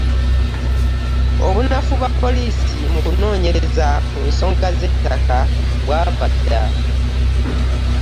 Obunafu bwa poliisi mu kunoonyereza ku nsonga z'ettaka bwava dda.